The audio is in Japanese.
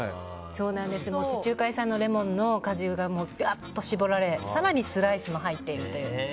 地中海産のレモンの果汁がガッと搾られ更にスライスも入っているという。